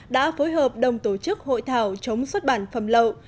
đã phối hợp đồng tổ chức hội thảo chống xuất bản phẩm lậu